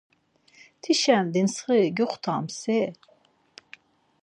“Tişen ditsxiri gyuxtams i?”